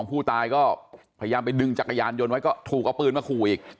ผู้ตายก็พยายามไปดึงจักรยานยนต์ไว้ก็ถูกเอาปืนมาขู่อีก